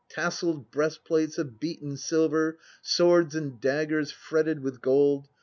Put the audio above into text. Tasselled breastplates of beaten silver; swords and daggers fretted with gold.